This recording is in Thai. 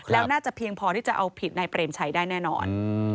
แล้วน่าจะเพียงพอที่จะเอาผิดนายเปรมชัยได้แน่นอน